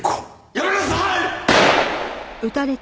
やめなさい！